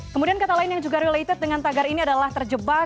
kemudian kata lain yang juga related dengan tagar ini adalah terjebak